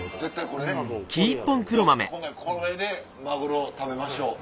これでマグロを食べましょう。